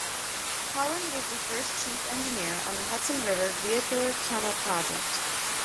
Holland was the first chief engineer on the Hudson River Vehicular Tunnel project.